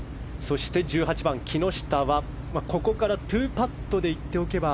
１８番、木下はここから２パットでいっておけば。